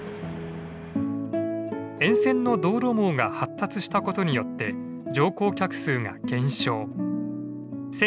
沿線の道路網が発達したことによって乗降客数が減少。